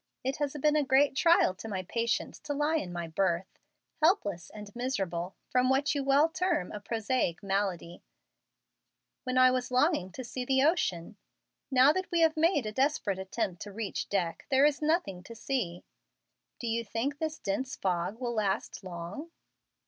It has been a great trial to my patience to lie in my berth, helpless and miserable from what you well term a 'prosaic malady,' when I was longing to see the ocean. Now that we have made a desperate attempt to reach deck, there is nothing to see. Do you think this dense fog will last long?"